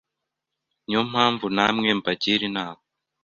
Ni yo mpamvu namwe mbagira inama